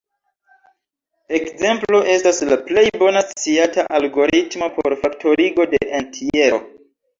Ekzemplo estas la plej bona sciata algoritmo por faktorigo de entjero.